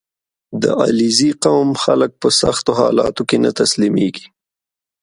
• د علیزي قوم خلک په سختو حالاتو کې نه تسلیمېږي.